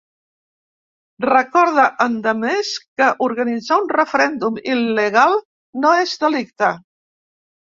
Recorda, endemés, que organitzar un referèndum il·legal no és delicte.